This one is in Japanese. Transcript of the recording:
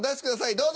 どうぞ。